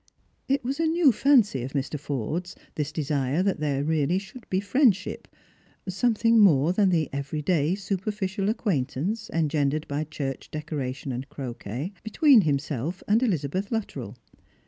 It was a new fancy of Mr. Forde's this desire that there should really be friendship— something more than the every day superficial acquaintance engendered by church decoration and croquet — between himself and Elizabeth Luttrell.